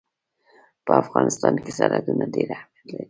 په افغانستان کې سرحدونه ډېر اهمیت لري.